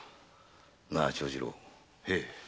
なあ長次郎。